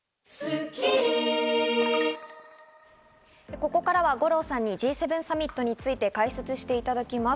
ここからは五郎さんにＧ７サミットについて解説していただきます。